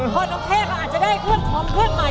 พ่อดรกเทกอ่านจะได้เครื่องพร้อมเครื่องใหม่